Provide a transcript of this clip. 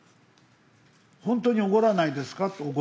「本当に怒らないですか？」と。